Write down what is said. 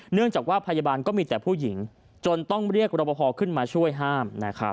เนื่องจากว่าพยาบาลก็มีแต่ผู้หญิงจนต้องเรียกรับประพอขึ้นมาช่วยห้ามนะครับ